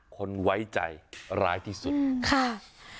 คนไว้ใจร้ายที่สุดค่ะ